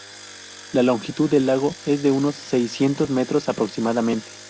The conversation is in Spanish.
La longitud del lago es de unos seiscientos metros aproximadamente.